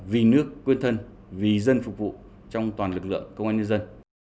vì nước quên thân vì dân phục vụ trong toàn lực lượng công an nhân dân